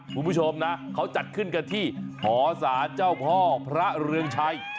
คุณผู้ชมนะเขาจัดขึ้นกันที่หอศาลเจ้าพ่อพระเรืองชัย